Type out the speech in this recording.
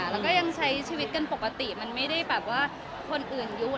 เราก็ยังใช้ชีวิตกันปกติมันไม่ได้คนอื่นยุ่น